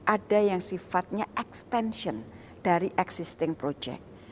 ada yang sifatnya extension dari existing project